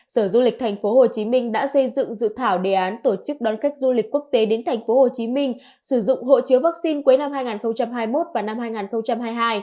sở du lịch tp hcm đã xây dựng dự thảo đề án tổ chức đón khách du lịch quốc tế đến tp hcm sử dụng hộ chiếu vaccine cuối năm hai nghìn hai mươi một và năm hai nghìn hai mươi hai